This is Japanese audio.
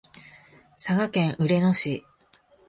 佐賀県嬉野市